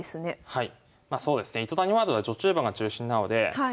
はい。